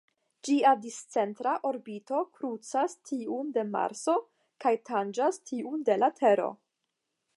Ĝia discentra orbito krucas tiun de Marso kaj tanĝas tiun de la Tero.